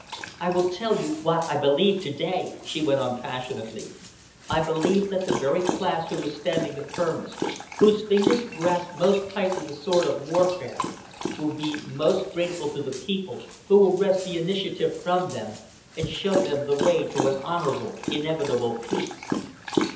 I will tell you what I believe to day," she went on passionately. "I believe that the very class who was standing the firmest, whose fingers grasp most tightly the sword of warfare, will be most grateful to the people who will wrest the initiative from them and show them the way to an honourable, inevitable peace."